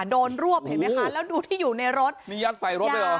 โดนรวบเห็นไหมคะแล้วดูที่อยู่ในรถนี่ยัดใส่รถเลยเหรอ